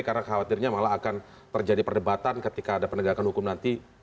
karena khawatirnya malah akan terjadi perdebatan ketika ada penegakan hukum nanti